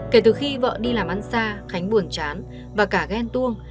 kể từ khi vợ đi làm ăn xa khánh buồn chán và cả ghen tuông